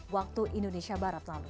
waktu indonesia barat lalu